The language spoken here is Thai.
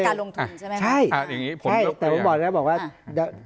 รับเสี่ยงแง่การลงทุนใช่ไหมครับ